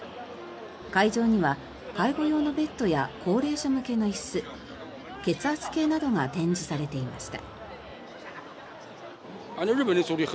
会場には介護用のベッドや高齢者向けの椅子血圧計などが展示されていました。